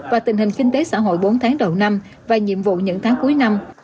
và tình hình kinh tế xã hội bốn tháng đầu năm và nhiệm vụ những tháng cuối năm